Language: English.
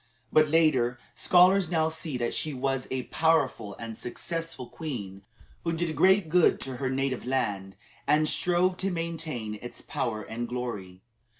But later scholars now see that she was a powerful and successful queen, who did great good to her native land, and strove to maintain its power and glory.